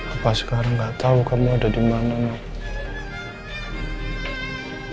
apa sekarang gak tau kamu ada dimana nak